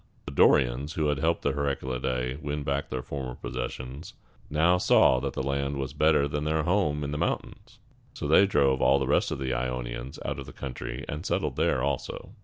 The Dorians, who had helped the Heraclidæ win back their former possessions, now saw that the land here was better than their home in the mountains, so they drove all the rest of the Ionians out of the country, and settled there also.